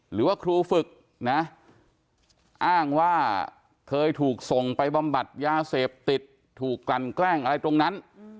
หรือว่าครูฝึกนะอ้างว่าเคยถูกส่งไปบำบัดยาเสพติดถูกกลั่นแกล้งอะไรตรงนั้น